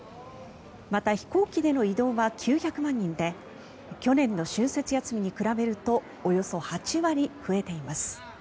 また、飛行機での移動は９００万人で去年の春節休みに比べるとおよそ８割増えています。